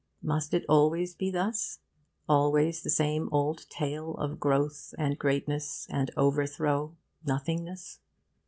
Must it always be thus? always the same old tale of growth and greatness and overthrow, nothingness?